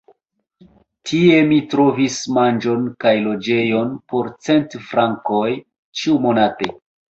Tie mi trovis manĝon kaj loĝejon por cent frankoj ĉiumonate.